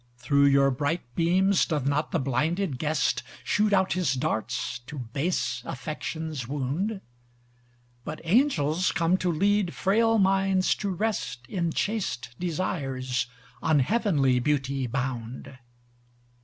Through your bright beams doth not the blinded guest, Shoot out his darts to base affections wound: But Angels come to lead frail minds to rest In chaste desires on heavenly beauty bound.